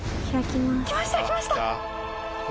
きましたきました！